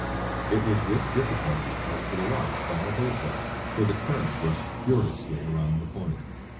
It was with difficulty held to the rocks by a boat hook, for the current rushed furiously round the point.